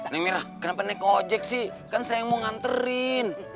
neng mirah kenapa naik ojek sih kan saya yang mau nganterin